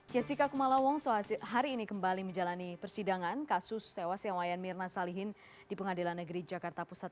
jessica kumala wongso hari ini kembali menjalani persidangan kasus tewas yang wayan mirna salihin di pengadilan negeri jakarta pusat